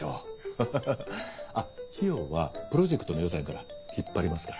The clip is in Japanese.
ハハハあっ費用はプロジェクトの予算から引っ張りますから。